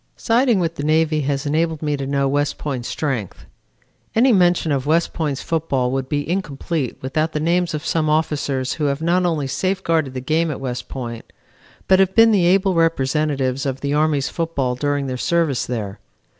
Siding with the Navy has enabled me to know West Point's strength. Any mention of West Point's football would be incomplete without the names of some officers who have not only safeguarded the game at West Point, but have been the able representatives of the Army's football during their service there.